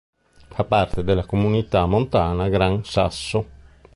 Fa parte della Comunità montana "Gran Sasso".